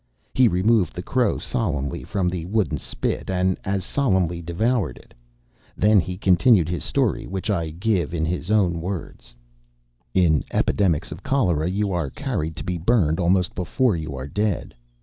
He removed the crow solemnly from the wooden spit and as solemnly devoured it. Then he continued his story, which I give in his own words: "In epidemics of the cholera you are carried to be burned almost before you are dead.